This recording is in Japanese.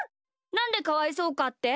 なんでかわいそうかって？